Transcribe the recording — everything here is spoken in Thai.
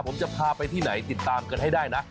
ผมจะพาไปที่ไหนติดตามกันให้ได้นะ